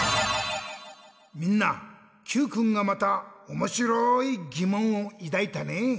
みんなＱくんがまたおもしろいぎもんをいだいたね。